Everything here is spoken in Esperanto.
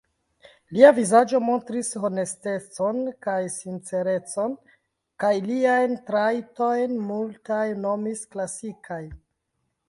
Lia vizaĝo montris honestecon kaj sincerecon; kaj liajn trajtojn multaj nomis klasikaj.